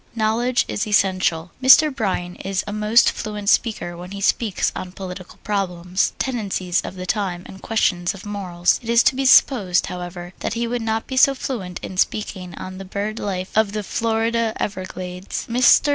Knowledge is Essential Mr. Bryan is a most fluent speaker when he speaks on political problems, tendencies of the time, and questions of morals. It is to be supposed, however, that he would not be so fluent in speaking on the bird life of the Florida Everglades. Mr.